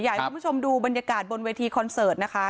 อยากให้คุณผู้ชมดูบรรยากาศบนเวทีคอนเสิร์ตนะคะ